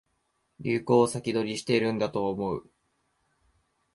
流行を先取りしてるんだと思う